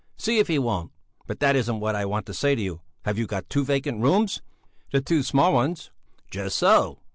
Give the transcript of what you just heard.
See if he won't! But that isn't what I want to say to you! Have you got two vacant rooms?" "The two small ones?" "Just so!"